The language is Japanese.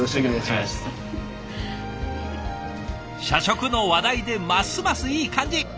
社食の話題でますますいい感じ。